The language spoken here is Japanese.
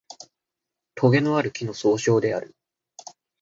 とげのある木の総称である